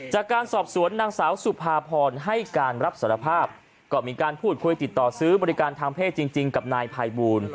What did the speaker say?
จากการสอบสวนนางสาวสุภาพรให้การรับสารภาพก็มีการพูดคุยติดต่อซื้อบริการทางเพศจริงกับนายภัยบูล